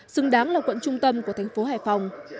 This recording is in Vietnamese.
xứng đáng là quận trung tâm của thành phố hải phòng